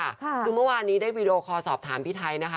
คือเมื่อวานนี้ได้วีดีโอคอลสอบถามพี่ไทยนะคะ